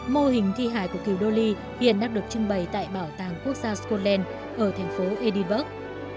mô hình thi hài của kiều đô ly hiện đang được trưng bày tại bảo tàng quốc gia scotland ở thành phố ediburg